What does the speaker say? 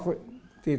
thì tôi nhận chết ngay